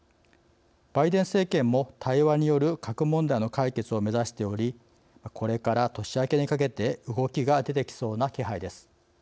バイデン政権も対話による核問題の解決を目指しておりこれから年明けにかけて動きが出てきそうな気配です。